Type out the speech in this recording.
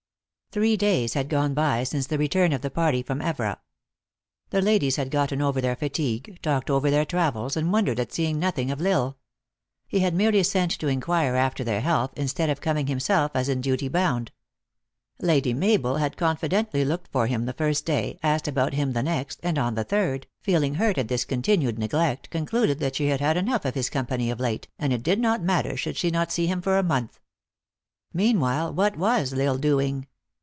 THREE days had gone by since the return of the party trom Evora. The ladies had gotten over their fatigue, talked over their travels, and wondered at seeing nothing of L Isle. He had merely sent to in quire after their health, instead of coming himself, as in duty bound. Lady Mabel had confidently looked for him the first day, asked about him the next, and on the third, feeling hurt at this continued neglect, concluded that she had had enough of his company of late, and it did not matter should she not see him for a month. Meanwhile, what was L Isle doing